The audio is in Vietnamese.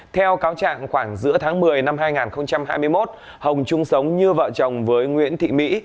theo cáo trạng khoảng giữa tháng một mươi năm hai nghìn hai mươi một hồng chung sống như vợ chồng với nguyễn thị mỹ